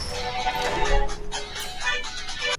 ډاکټر کمار وویل واکسین ښه زغمل شوی دی.